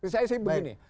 saya sih begini